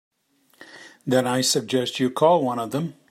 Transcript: Then I suggest you call one of them.